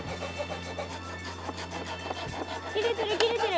切れてる切れてる。